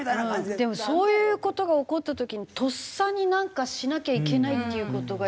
でもそういう事が起こった時にとっさになんかしなきゃいけないっていう事が。